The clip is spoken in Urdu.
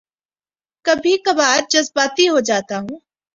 کبھی کبھار جذباتی ہو جاتا ہوں